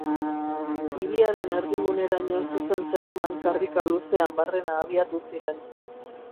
Hiriaren erdiguneraino zuzen zeraman karrika luzean barrena abiatu ziren.